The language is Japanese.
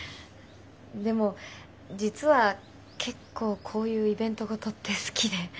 でも実は結構こういうイベント事って好きで。